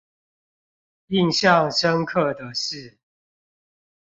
印象深刻的是